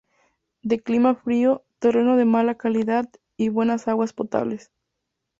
De clima frío, terreno de mala calidad y buenas aguas potables.